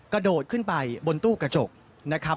กระโดดขึ้นไปบนตู้กระจกนะครับ